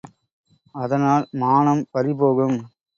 அதனால் மானம் பறி போகும்.